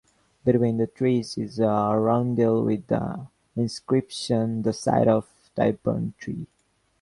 Between the trees is a roundel with the inscription "The site of Tyburn Tree".